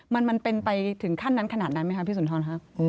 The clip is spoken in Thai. มันเป็นไปถึงขั้นนั้นขนาดนั้นไหมคะพี่สุนทรครับ